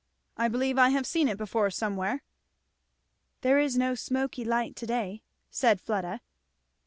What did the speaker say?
"I believe I have seen it before somewhere." "There is no 'smoky light' to day," said Fleda.